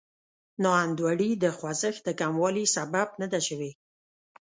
ناانډولي د خوځښت د کموالي سبب نه ده شوې.